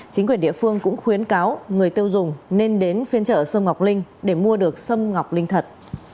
chính quyền địa phương cũng khuyến cáo người tiêu dùng nên đến phiên chợ sâm ngọc linh để mua được sâm ngọc linh thật